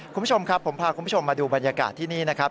คุณผู้ชมครับผมพาคุณผู้ชมมาดูบรรยากาศที่นี่นะครับ